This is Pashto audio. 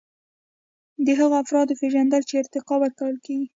د هغو افرادو پیژندل چې ارتقا ورکول کیږي.